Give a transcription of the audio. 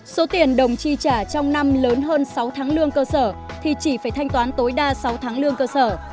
số tiền đồng chi trả trong năm lớn hơn sáu tháng lương cơ sở thì chỉ phải thanh toán tối đa sáu tháng lương cơ sở